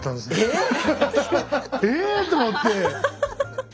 ⁉え⁉と思って。